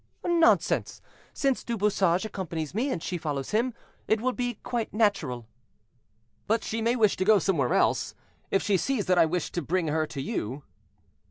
"Nonsense; since Du Bouchage accompanies me, and she follows him, it will be quite natural." "But she may wish to go somewhere else, if she sees that I wish to bring her to you."